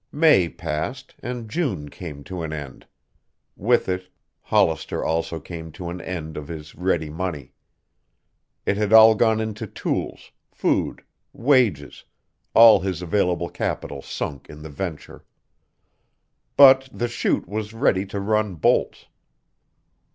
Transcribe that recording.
May passed and June came to an end; with it Hollister also came to the end of his ready money. It had all gone into tools, food, wages, all his available capital sunk in the venture. But the chute was ready to run bolts.